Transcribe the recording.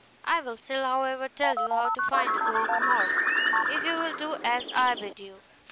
I will still, however, tell you how to find the golden horse, if you will do as I bid you.